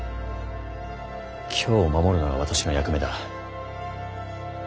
京を守るのが私の役目だ。